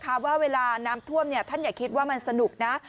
ว่าเวลาน้ำท่วมท่านอย่าคิดว่ามันสนุกนะ